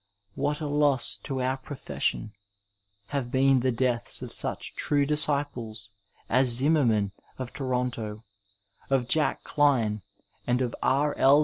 What a loss to our pro fession have been the deaths of such true disciples as Zimmerman, of Toronto; of Jack dine and of R. L.